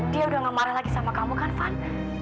dia udah gak marah lagi sama kamu kan van